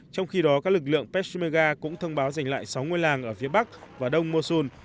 trong khi đó các lực lượng peshmerga cũng thông báo giành lại sáu ngôi làng ở phía bắc và đông mosul